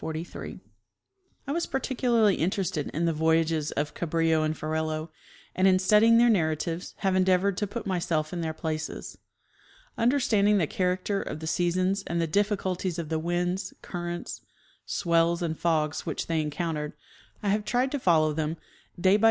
I was particularly interested in the voyages of Cabrillo and Ferrelo, and in studying their narratives have endeavored to put myself in their places. Understanding the character of the sea sons and the difficulties of the winds, currents, swell and fogs which they encountered, I have tried to follow them day by